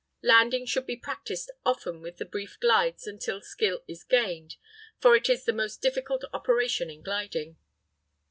Landing should be practised often with brief glides until skill is gained, for it is the most difficult operation in gliding.